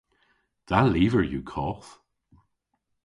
Dha lyver yw koth.